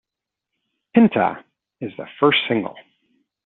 "Pinta" is the first single.